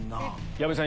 矢部さん